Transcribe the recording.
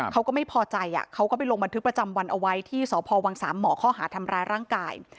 เขาก็ไม่พอใจเขาก็ไปลงบันทึกประจำวันเอาไว้ที่สพวังสามหมอข้อหาทำร้ายร่างกาย